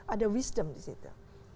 ada wisdom di situ